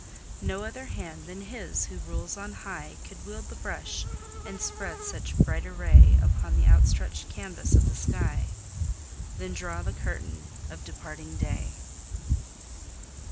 No other hand than His who rules on high, Could wield the brush and spread such bright array Upon the outstretched canvas of the sky, Then draw the curtain of departing day.